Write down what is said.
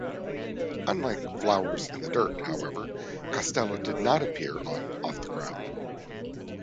Unlike "Flowers in the Dirt", however, Costello did not appear on "Off the Ground".